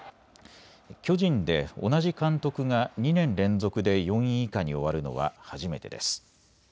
巨人で同じ監督が２年連続で４位以下に終わるのは初めてです。